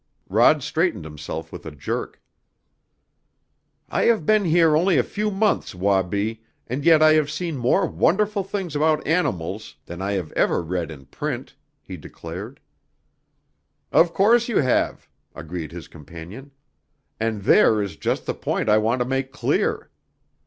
Rod straightened himself with a jerk. "I have been here only a few months, Wabi, and yet I have seen more wonderful things about animals than I have ever read in print," he declared. "Of course you have," agreed his companion. "And there is just the point I want to make clear.